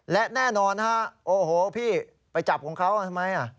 และแน่นอนฮะโอ้โหพี่ไปจับของเขาทำไม